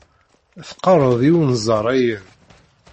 Teqqareḍ i Unẓar ayen.